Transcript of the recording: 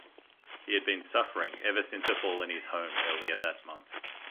He had been suffering ever since a fall in his home earlier that month.